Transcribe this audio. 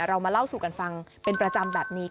เรามาเล่าสู่กันฟังเป็นประจำแบบนี้